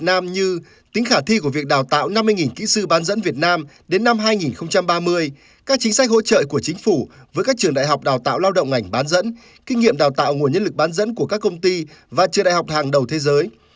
việt nam như tính khả thi của việc đào tạo năm mươi kỹ sư bán dẫn việt nam đến năm hai nghìn ba mươi các chính sách hỗ trợ của chính phủ với các trường đại học đào tạo lao động ngành bán dẫn kinh nghiệm đào tạo nguồn nhân lực bán dẫn của các công ty và trường đại học hàng đầu thế giới